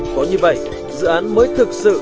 có như vậy dự án mới thực sự